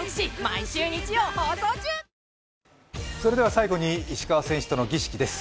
最後に石川選手との儀式です。